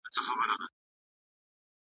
دوی یوازې د مسیحیت د خپرولو لپاره کار کاوه.